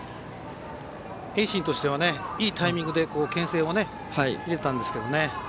盈進としてはいいタイミングで、けん制を入れたんですけどね。